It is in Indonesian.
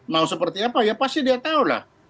mau seperti apa ya pasti dia tahu lah